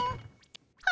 は